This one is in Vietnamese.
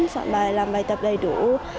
soạn bài làm bài tập đầy đủ